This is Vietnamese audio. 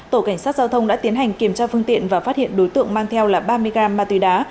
tổ cảnh sát giao thông đã tiến hành kiểm tra phương tiện và phát hiện đối tượng mang theo là ba mươi gram ma túy đá